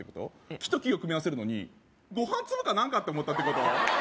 木と木を組み合わせるのにご飯粒か何かって思ったってこと？